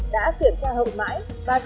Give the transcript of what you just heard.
đã kiểm tra hậu mãi